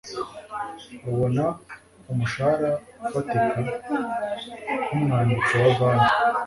Abona umushahara ufatika nkumwanditsi wa banki.